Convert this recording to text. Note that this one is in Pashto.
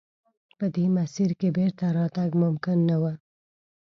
په دې مسیر کې بېرته راتګ ممکن نه و.